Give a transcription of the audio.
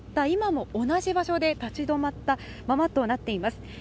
今も同じ場所で立ちどまったままとなっています。